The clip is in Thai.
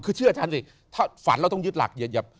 คือเชื่ออาจารย์สิฝันเราต้องยึดหลัก